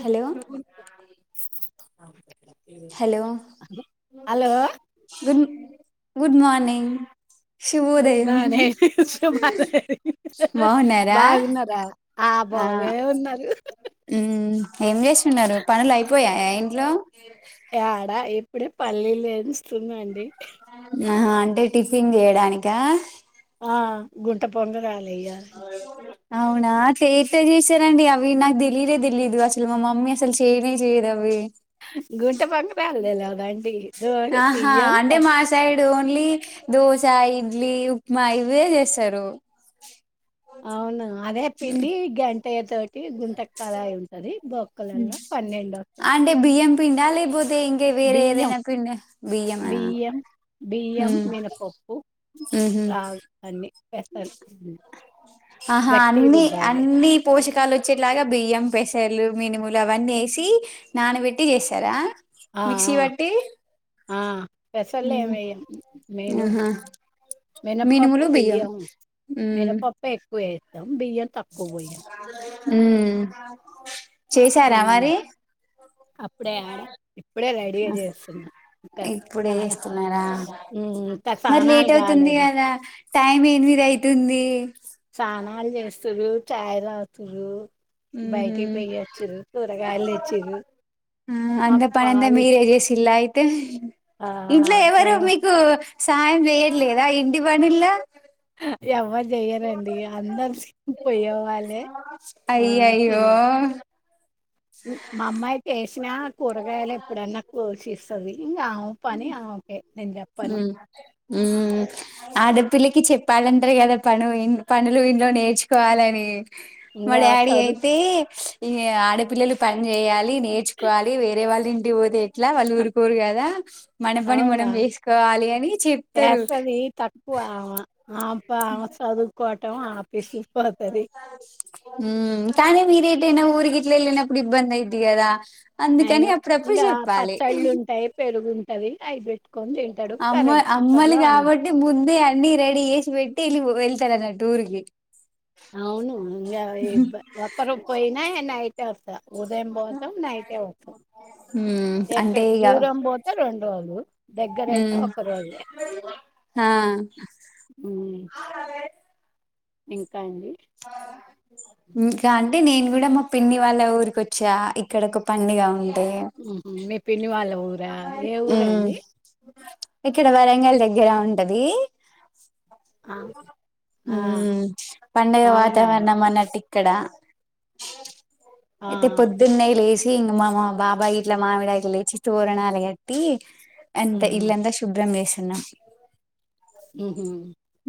Hello అే hello hello good good morning good శుభోదయం morning శుభోదయం బాగున్నారా బాగా వున్నారా ఆ బాగానే ఉన్నారు ఉ ఏం చేస్తున్నారు పనులు అయిపోయా ఇంట్లో ఎడా ఏ ఇప్పుడే పల్లీలు ఎంచుతున్న అండి ఆహా అంటే టిఫిన్ చేయడానికా ఆ గుంత పొంగనాలు [unintelligible] అవునా దెంతో చేశారండి అవి నాకు తెలియనే తెలియదు అసలు మా మమ్మీ అసలు చేయనే చేయ్యదు అవి గుంత పొంగనాలు తెల్వదా అండి ఆహా బియ్యం అంటే పప్ప మా సైడ్ ఓన్లీ దోశ ఇడ్లీ ఉప్మా ఇవే చేస్తారు అవున అదే పిండి గ లేదు గుంత కడాయి ఉంటది బోక్కలలా పన్నెండు పిండాలే ఇకే వేరే బియ్యం ఏదైనా పిండి బియ్యమ బియ్యం హు బియ్యం మినపప్పు ఉహు రాగు అన్ని పెసలు ఆహా గట్టిగ అన్ని రుబ్బాలే అన్ని పోషక మకాలు వచ్చేట్లాగా బియ్యం పెసర్లు మినుములు అవన్నీ వేసి నానబెట్టి చేస్తారా ఆ మిక్సీ పట్టి ఆ పెసల్ ఉహు ఏమి వేయం మెను ఆహా మినపాప్పు బియ్యం ఉమ్ మినపప్పే వేత్తం బియ్యం తక్కువ పొయ్యి ఊ చేశారా హ్మ్ మరి అప్పుడే యాడ ఇప్పుడే రెడీగా చేస్తున్నా ఇంకా ఇప్పుడే చాలా చేస్తున్నారా హ్మ్ ఇంకా మరి సానాలు లేట్ అవుతుంది కాలేదు కదా టైమ్ ఎనిమిద అయితుంది స్నానాలు చేస్తూర్రు చాయ్ తాగుతుర్రు ఉహు బయటికి పోయొచ్చిర్రు కూరగాయలు ఉ తెచ్చిర్రు అంత మాకు పనింతా పాలు మీరే చేసిల్ల అయితే ఆ ఇంట్లో ఎవరు మేము మీకు సాయం చెయియలేదా ఇంటి పనుల్ల హ ఎవరు చెయ్యరండి అందరు పోయే వాలే ఆ అయ్యయ్యో తిన్ మమ్మాయితే చేసినర్ కూరగాయలు ఎప్పుడన్నా కో కోచిస్తది ఇంగ ఆమె పని ఆమెకే నేను చెప్పను ఉమ్ ఉమ్ ఆడపిల్ కి చెప్పాలంటారు కదా పను పనులు ఇంట్లో నేర్చుకోవాలని ఇంగ మా డాడీ చదువు అయితే ఇ ఆడపిల్లలు పని చెయాలి న్ నేర్చుకువాలి వేరే వల్ ఇంటికి పోతే ఎట్లా వాళ్ళు ఊరుకోరు కదా మన పని అవునా మనం వేసుకోవాలి అని చెపుతరు బావ సదుకోట్ [unintelligible] ఉమ్ కానీ మీరిటైనా ఊరికి ట్లేలినప్పుడు ఇబ్బంది అయిద్ది కదా ఐ అందుకని నో అప్పుడప్పుడు ఇంకా చెప్పాలి పచ్చళ్ళు ఉంటాయి పెరుగుంటది అయిపోయ్ అమ్మ అమ్మలు కాబట్టి ముందే అన్నిీ రెడీ చేసి పెట్టి వెళిపో వెల్ త కదా టూర్ కి అవును ఇంగ ప ఒక్కరు పోయినా నైట్ వస్తా ఉదయం పోతాం నైటే వస్తాం ఉమ్ ఎక్కక్ దూరం పోతేా రెండు రోజులు ఉ దగ్గరైతే ఒక రోజే. హా ఇ కండి ఇంకా అంటే నేను కూడా మా పిన్ని వాళ్ళ ఊరికి వచ్చా ఇక్కడ ఒక పండుగ ఉంది ఉమ్ మీ పిన్ని వాళ్ళ ఊరు వ్య ఏ ఉమ్ ఊరండి ఇక్కడ వరంగల్ దగ్గర ఉంటది ఆ ఆ ఉమ్ పండగ అవునా వాతావరణం అన్నట్టు ఇక్కడ అ ఆ అయితే పొద్దున్నే లేస్ ఇంగా మా బాబాయ్ ఇట్లా మామిడాకులు తెచ్చి తోరణాలు కట్టి అంతా ఉహు ఇల్లంతా శుభ్రం చేసి అన్నా ఊహు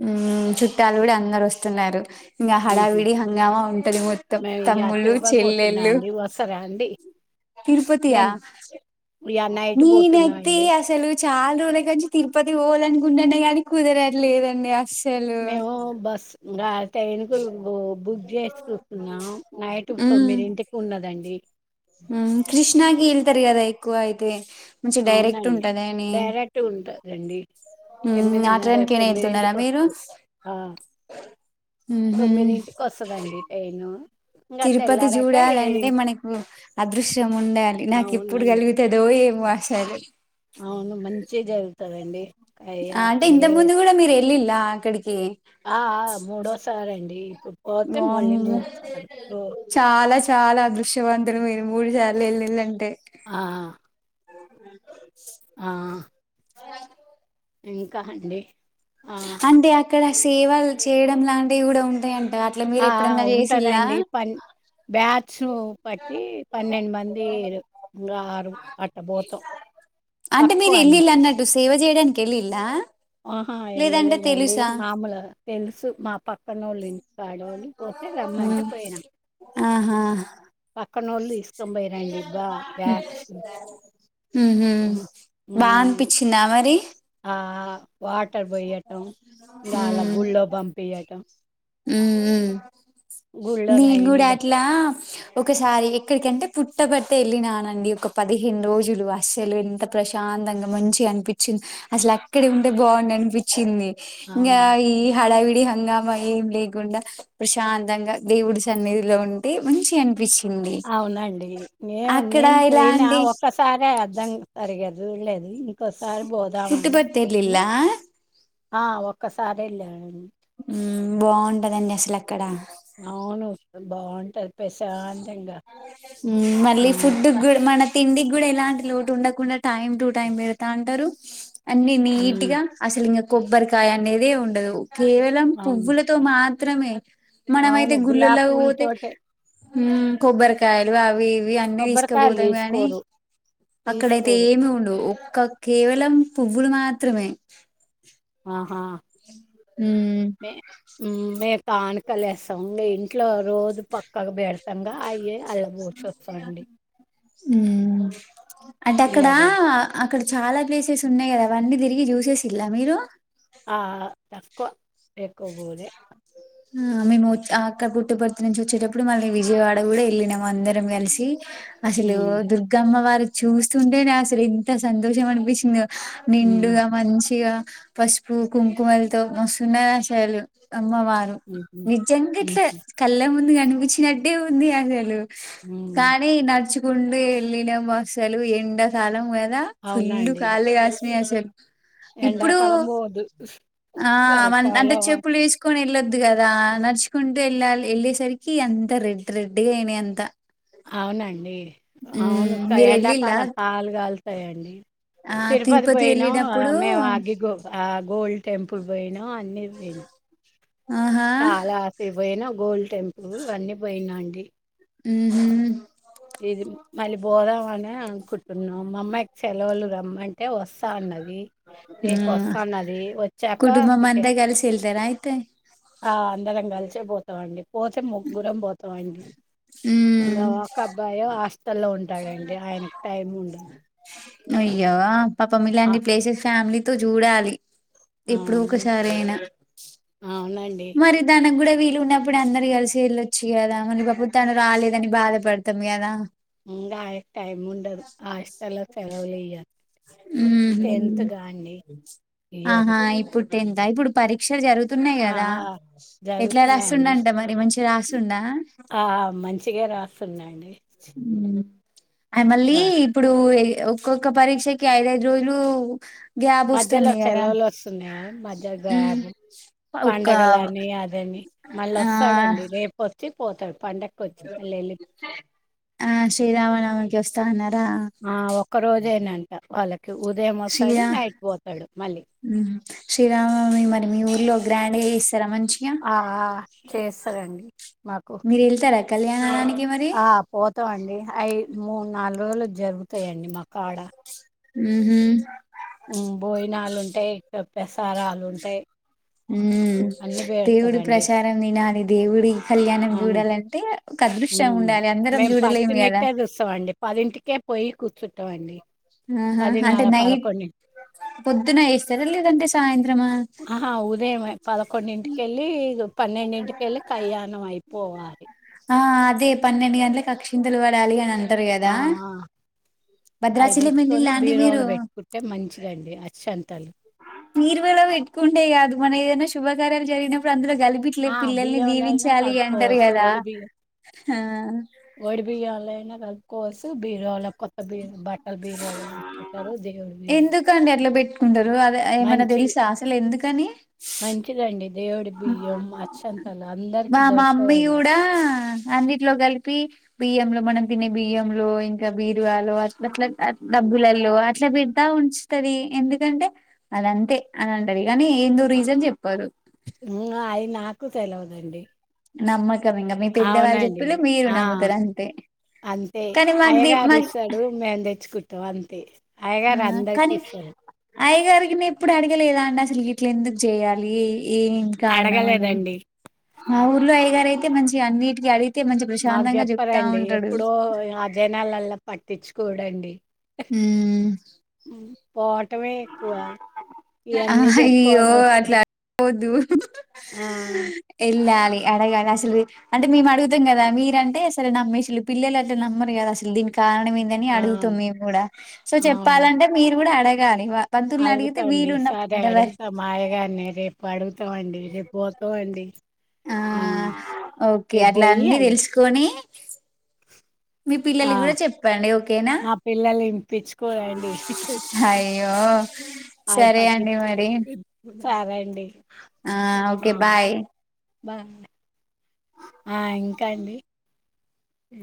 ఊ చుట్టాలు కూడా అందరు వస్తున్నారు ఇంకా ఉహు హడావిడి హంగామా ఉంటది మొత్తం మేము ఇగ తమ్ముళ్లు తిరుపతి పోతున్నా చెల్లెళ్ళు అండి వస్తారా అండి తిరుపతియా మేము ఇగ నైట్ మీ పోతున్నా నేత్తి అండి అసలు చాలా రోజుల కాచ్చి తిరుపతి పోవాలి అనుకుంటున్నా గానీ కుదరట్లేదండి అస్సలు మేము బస్ రా ట్రైన్ కు బు బుక్ చేసి చూస్తున్నాం నైట్ తొమ్మిదింటికి ఉన్నదండి ఊహు క్రిష్ నాకి వెళ్తారు ఎక్కువ అయితే మంచి డైరెక్ట్ అవునండి ఉంటదని డైరెక్ట్ ఉంటందండి ఉమ్ ఆ ఎనిమిదిన్నర ట్రైన్ కేనా వెళ్తున్నారా తొమ్మిదింటికి మీరు వస్తుంది ఆ ఉహు తొమ్మిదింటికి వస్తుదండి ట్రైను ఇంగ తిరుపతి తెల్లారాక ఏడింటి చూడాలంటే మనకు అదృశ్యం ఉండాలి నాకు ఎప్పుడు అవునండి కలుగుతదో ఏంమో వ అసలు అవును మంచి జరు జరుగుతాదండి ఆ అంటే ఇంత ముందు కూడా మీరు వెళ్లి ల లా అక్కడికి ఆ! ఆ! మూడోసారండి. ఇప్పుడు పోతే కి మళ్ళీ వామ్మో సార్లు. చాలా చాలా అ దృశ్యవంతూ ఇద్దరు మీరు మూడు సార్లు వెళ్ళిల్లు అంటే ఆ అ [unintelligible] ఆ ఇంకా అండి ఆ! అంటే అక్కడ సేవలు చేయడం లాంటివి కూడా ఉంటాయి ఆ ట అట్లా మీరు ఎప్పుడన్నా చేసిల్లా బ్యా శు పట్టి పన్నెండు మంది ఆరు అటు పోతాం అంటే మీరు తక్కువ అన్న వెళ్ళిల్లు అన్నట్టు సేవ చేయడానికి వెళ్ళిలా ఆహా వెళ్ళలేదండి మామూలు తెలుసు మా పక్కన ఓళ్ళు ఇంటి ఆడఓళ్ళు పోతే ఉమ్. రమ్మంటే పోయినా ఆహా ఆ పక్కన ఓళ్ళు తిసు తొంభై రెండు బా బ్యాచ్ హ్మ్ హు బా అనిపించిందా మరి ఆ వాటర్ పోయటం ఇంకా అలా మ్మ్ గుళ్ళో పంపియటం మ్మ్ మ్మ్ గుళ్ళో నేను రైన్ కూడా గ- అట్లా ఒకసారి ఎక్కడికంటే పుట్టబట్టే వెళ్ళినానండి ఒక పదిహేను రోజులు అసలు ఎంత ప్రశాంతంగా మంచి అనిపించింది అసలు అక్కడ ఉంటే బాగుంది అనిపించింది. ఇంగ అవునా ఈ హడావి డి హంగామా ఏం లేకుండా ప్రశాంతంగా దేవుడు సన్నిధిలో ఉంటే మంచిగ అనిపిస్ అవునండి నేను నేను ఎలా పోయినా అండి ఒక్కసారే అర్థం జరిగేది అది వెళ్లే అది పుట్ పర్తిర్లిలా ఆ ఒక్కసారి వెళ్ళనండి మ్మ్ బాగుంటదండి అసలు అక్కడ అవును వ బాగుంటయి మ్మ్ మళ్ళీ ఆ ఫుడ్ స- కూడా మన తిండి కూడా ఎలాంటి లోటు ఉండకుండా టైమ్ టు టైమ్ పెడతా అంటారు అన్నీ ఉమ్ నీట్గా అసలింగ కొబ్బరికాయ అనేది ఉండదు కేవలం అవును పువ్వులతో మాత్ త్రమే మనము అయితే అవును గులాబీ గుళ్ళల్లోకి పోతే పూలతోటే మ్మ్ కొబ్బరికాయలు అవి ఇవి ఇవి అన్ని కొబ్బరికాయలు తీసుకపోతాం గాని తీసుకోరు అక్కడయితే తీసుకోరు ఏమి ఉండవు ఒక్క కేవలం పువ్వులు మాత్రమే ఆ ఆ మ్మ్ ఏ మేమ్ తాన్ కలెస్ తం మీ ఇంట్లో రోజు పక్కగా బె తంగా అయ్యే అల్ళ భుషోత్సం అండి మ్మ్ అంటే ఇల్ల అక్కడ డబ్బు అక్కడ చాలా ప్లేసెస్ ఉన్నాయి కదా అవన్నీ తిరిగి చూసే సిల్లా మీరు ఎక్కవ పోలే ఆ మేము అక్కడ పుట్టపర్తి నుంచి వచ్చేటప్పుడు మళ్ళీ విజయవాడ కూడా వెళ్ళినాము అందరం కలిసి అసలు ఓ ఉమ్ దుర్గమ్మ వారి చూస్తుంటేనే అసలు ఇంత సంతోషం అనిపించింది ఉమ్ నిండుగా మంచిగా పసుపు కుంకుమలతో మస్తు ఉన్నాయ్ అసలు అమ్మ వాళ్ ఉహు నిజం ఇట్ ఉహు కళ ముందు కని వచ్చినట్టే ఉంది ఆసలు ఉమ్ కానీ నడుచు గుండె ఎళ్ళినామ్ అసలు ఎండ కాలం గ కదా ఫుల్ అవునండి కళీగాసిన అసలు ఇప్పుడు ఎండాకాలం పోదు ఆ అంటే చలికాలం చెప్పులు వేసుకొని వెళ్ళొదు కదా నడుచుకుంటూ వెళ్ళాలి వెళ్ళేసరికి అంత రెడ్ రెడ్గా అయినాయి అంత అవునండి అవును క మీరు ఎళ్ళిల్లా ఎండాకాలం కాలుగాల్తాయిండి ఆ తిరుపతి పోయినాం ఎళ్ళినప్పుడు మేము అగ్గిగో అ గోల్ టెంపుల్ కి పోయినాం అన్నీ పోయినాం ఆహా కావాసి పోయిన గోల్డ్ టెంపుల్ అన్నీ పోయినండి ఊహూ ఇది మల్లి బోధమనే అనుకుంటున్నాం మా అమ్మాయి సెలవులు రమ్మంటే వస్తా అన్నది రేపు హ వస్తా అన్నది వచ్చాక కుటుంబం అంత టికెట్ కలిసి ఎల్లి ఇదర అయితే ఆ అందరం కలిసే పోతామండి పోతే ముగ్గురం పోతామండి హ్మ్ ఇంకా ఒక అబ్బాయి హాస్టల్లో ఉంటాడండి ఆయనకి టైం ఉండదు అయ్యో పాపం ఆ ఇలాంటి ప్లేసెస్ ఫ్యామిలీ తోచూడాలి ఏప్పుడో అవునండి ఒకసారి అయినా అవునండి మరిదాన్ని మనం కూడా వీలు ఉన్నప్పుడు అందరు కలిసి వెళ్ళొచ్చు కదా మనం పాపం తను రాలేదని బాధపడతాం కదా ఇంగ ఆ టైమ్ ఉండదు హాస్టల్ లో క తొలియారు ఉ ఇయ్యరు ఆహా ఇప్పుడు టెన్త్ ఆ ఇప్పుడు పరిక్ష పరక్ష జరుగుతున్నాయి ఆ కదా ఆ ఎట్లా జరుగుతున్నాయండి రాస్తుండంట మరి మంచి మంచిగా రాస్తుండా ఆ మంచిగా రాస్ న్నండీ మ్మ్ అ మళ్ళీ ఇప్పుడు ఒక్కొక్క పరీక్షకి ఐదఐదు రోజులు గ్యాబ్ మధ్యలో వస్తుంది కదా సెలవులు వస్తున్నాయా మధ్య మ్మ్. గ్యాప్ ఒక్క పండగల అని అదని మళ్ళీ ఆ వస్తాడండి రేపు వచ్చి పోతాడు పండగకి వచ్చి మళ్ళీ వెళ్ళి ఆ శ్రీరామనవమి వస్త [unintelligible] ఆ ఒక్క రోజేనంట వాళ్ళకి ఉదయం వస్తాడు శ్రీరా నైట్ పోతాడు మళ్ళీ శ్రీరామనవమి మరి మీ ఊర్లో గ్రాండ్ గా చేస్ ఆ చేస్తారండి మాకు కళ్యాణానిక ఆ పోతాం అండి అయి మూడు నాలుగు రోజులు జరుగుతాయండి మాకు కాడ ఉహు ఉ పోయి నాలు ఉంటాయి [unintelligible] తారాలు ఉంటాయి అన్ని [unintelligible] పెడతారండి ప్రచారం వినాది దేవుడి కళ్యాణం అవును చూడాలంటే ఒక అదృష్టం ఉండాలి అందరం మేము ఫస్ట్ చూడలేము కదా [unintelligible] చూస్తాండి పదింటికే పోయి కూర్చుంటాం అండి ఆహా అంటే నైట్ పొద్దున వేస్తేద లేదంటే సాయంత్రమా పదకొండు ఇంటికి వెళ్ళి పన్నెండింటికి వెళ్ళి కళ్యాణం అయిపోవాలి ఆ అదే పన్నెండు గంటల అక్షింతలు పడాలి అని అ ఆ అయ్యి భద్రాచలం తెచ్చుకొని వెళ్ళిలా అండి మీరు బీరువాలు పెట్టుకుంటే మంచిదండి అక్షింతలు బీరువాలో పెట్టుకుంటే కాదు మనం ఏదైనా శుభకార్యాలు జరిగినప్పుడు అందులో కలిపిట్లే ఆ పిల్లల్ని బియ్యంలో అయినా దీవించాలి అంటారు కలుపుకోవచ్చు కదా ఓడి బియ్యం ఆ కోసు బీరలం కొత్త బీరు బట్టల బీరువా లో పెట్టుకుంటారు దేవుడి బీరు ఉండదు వు అదే ఏమన్నా తెలుసా అసలు ఎందుకని మంచిదండి దేవుడి బియ్యం అక్షంతలు అందరికి మా మమ్మీ దొరకవండి గూడ అన్నిట్లో గలిపి బియ్యం లో మనం తినే బియ్యంలో ఇంకా బీరువాలో అట్లా అట్లా డబ్బులలో అట్లా పెడతా ఉంచుతది ఎందుకంటే అదంతే అని అంటది గానీ ఏందో రీజన్ చెప్పారు ఇంగో అవి నాకు తెలివదండి నమ్మకం ఇంగ మీ పెద్దవాళ్ళు అవునండి చెప్పిళ్ళు మీరు ఆ నమ్ముతారు అంతే అంతే కానీ మాకు ది అయ్యగారు మా ఇస్తాడు మేము తెచ్చుకుంటాం అంతే అయ్యాగారు అందరికి ఇస్తారు అయ్యగారికిని ఎప్పుడు అడిగలేదా అండి అసలు గిట్ల ఎందుకు చేయాలి ఏం కారణం అని అడగలేదండి మా ఊర్లో అయ్యాగారు అయి ఇగ మంచిగా అన్నిటికి అడిగి మాకు చెప్పారండి ఎప్పుడో ఆ జనాలల్ల పట్టించు కూడండి మ్మ్ పోవటమే ఎక్కువ ఇవన్నీ చెప్పుకొంగా వత్తా పోవద్దు వెళ్ళాలి అడగాలి అసలు అంటే మేము అడుగుతాం గదా మీరు అంటే అసలు నమ్మేసిళ్ళు పిల్లలు అంటే నమ్మరు గదా అసలు దీనికి కారణం ఏంది అని ఆ అడుగుతాం మేము కూడా సో చెప్పాలంటే మీరు గూడా అడ గా నివ్వ అడుగుతా అండి సరే అడుగుతా మాయగన్నే రేపు అడుగు వత్తా మండి రేపు పోతాం అండి ఆ ఓకే అట్లా పోయి అన్నీ అడు తెలుసుకొని మీ పిల్లల ఆ కూడా చెప్పండి ఓకేనా మా పిల్లలు వినిపించుకోరండి అయ్యో వాళ్ళు సరే అండి పట్టించుకోరు మరి సరే అండి ఆ ఓకే ఆ! బాయ్ బా హ ఇంకా అండి